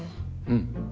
うん。